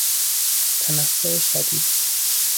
تنفر شدید